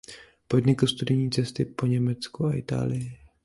Podnikl studijní cesty po Německu a Itálii.